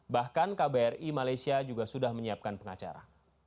bahkan kbri malaysia juga sudah menyiapkan pengacara